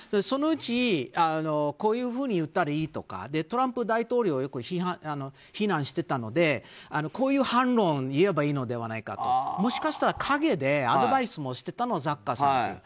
そのうち、こういうふうに言ったらいいとかトランプ大統領をよく非難していたのでこういう反論を言えばいいのではないかともしかしたら陰でアドバイスもしていたザッカーさん。